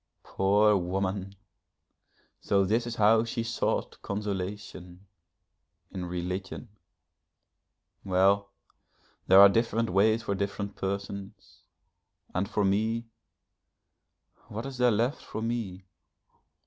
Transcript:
Poor woman! so this is how she sought consolation, in religion! Well, there are different ways for different persons and for me what is there left for me?